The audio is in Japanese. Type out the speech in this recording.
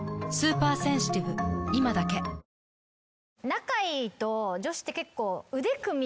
仲いいと女子って結構。